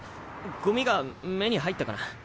ゴミが目に入ったかな？